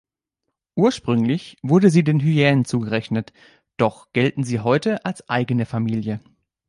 Ursprünglich wurden sie den Hyänen zugerechnet, doch gelten sie heute als eigene Familie.